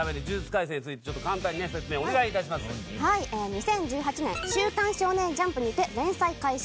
２０１８年『週刊少年ジャンプ』にて連載開始。